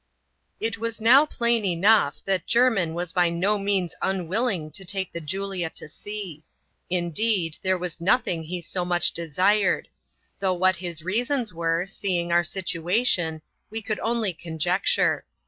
It was now plain enough, that Jermin was by no means un willing to take the Julia to sea ; indeed, there was nothing he so much desired; though what his reasons were, seeing our situation, we could only conjecture.